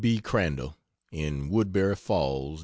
B. Crandall, in Woodberry Falls, N.